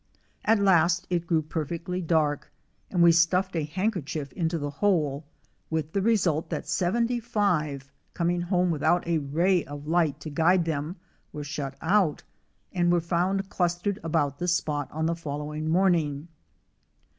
At last it grew perfectly dark, and we stuffed a handkerchief into the hole, with the result that seventy five, coming home without a ray of light to guide them, were shut out, and were found clustered about the spot on the following morning.